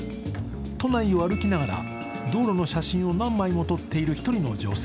都内を歩きながら道路の写真を何枚も撮っている１人の女性。